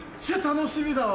楽しみだね。